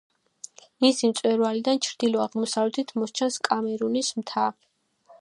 მისი მწვერვალიდან ჩრდილო-აღმოსავლეთით მოსჩანს კამერუნის მთა.